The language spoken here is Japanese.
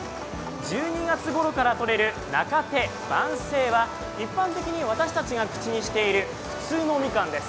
１２月ごろからとれる中手、晩生は一般的に私たちが口にしている普通のみかんです。